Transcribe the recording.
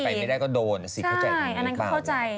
ในวงการนี้ก็เยอะแยะ